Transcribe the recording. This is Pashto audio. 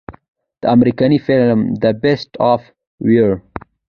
د امريکني فلم The Beast of War